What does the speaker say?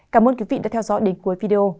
cảm ơn quý vị đã theo dõi đến cuối video